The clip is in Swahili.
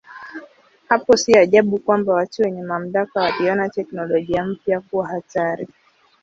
Hapo si ajabu kwamba watu wenye mamlaka waliona teknolojia mpya kuwa hatari.